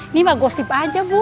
ini mah gosip aja bu